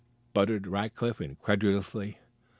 spluttered Rackliff incredulously.